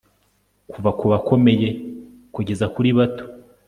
kuva ku bakomeye kugeza kuri bato